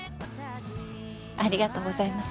ありがとうございます。